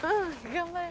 頑張れ。